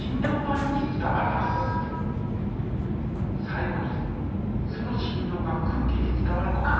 最後にその振動が空気に伝わることで。